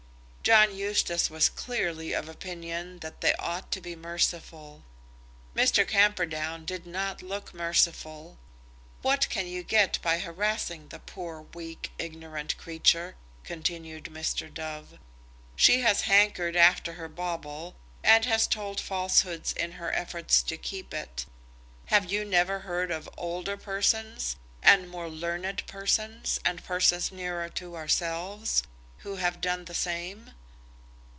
John Eustace was clearly of opinion that they ought to be merciful. Mr. Camperdown did not look merciful. "What can you get by harassing the poor, weak, ignorant creature?" continued Mr. Dove. "She has hankered after her bauble, and has told falsehoods in her efforts to keep it. Have you never heard of older persons, and more learned persons, and persons nearer to ourselves, who have done the same?"